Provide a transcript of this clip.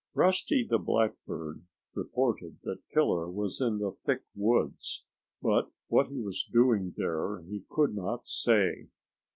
Rusty the Blackbird reported that Killer was in the thick woods, but what he was doing there he could not say.